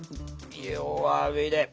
弱火で。